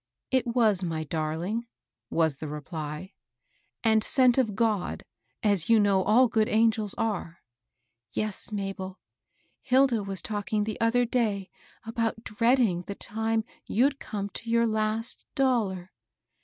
"It was, my darling," was the reply; "and sent of God, as you know all good angels are.'^ ^^ Yes, Mabel. Hilda was talking the other day THE MOUNTAIN ASH. 149 about dreading the time you'd come to your last dollar.